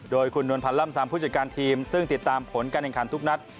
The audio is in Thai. โดยคุณนวลพันธ์ล่ำซามผู้จัดการทีมซึ่งติดตามผลการแข่งขันทุกนัด